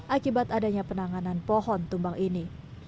akibat adanya penanganan pohon tumbang ini